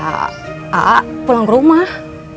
a'at pulang ke rumah